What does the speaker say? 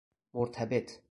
مرتبط